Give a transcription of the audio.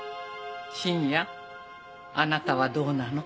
信也あなたはどうなの？